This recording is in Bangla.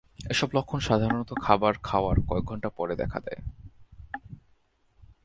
এসব লক্ষণ সাধারণত খাবার খাওয়ার কয়েক ঘন্টা পরে দেখা দেয়।